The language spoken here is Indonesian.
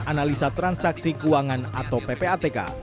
ivan yustyafan dana mengakui ppatk telah memblokir tiga puluh tiga rekening bank